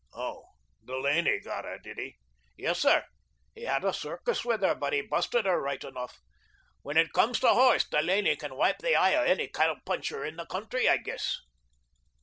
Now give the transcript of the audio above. "Oh, Delaney got her, did he?" "Yes, sir. He had a circus with her, but he busted her right enough. When it comes to horse, Delaney can wipe the eye of any cow puncher in the county, I guess."